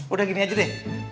udah gini aja deh